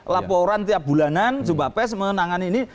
laporan tiap bulanan jumpa pes menangani ini